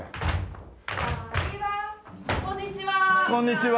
こんにちは。